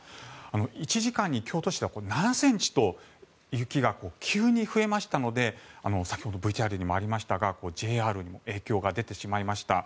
１時間に京都市では７ｃｍと雪が急に増えましたので先ほどＶＴＲにもありましたがＪＲにも影響が出てしまいました。